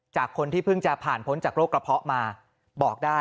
จากคนที่เพิ่งจะผ่านพ้นจากโรคกระเพาะมาบอกได้